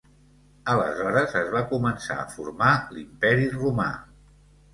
Aleshores es va començar a formar l'Imperi Romà.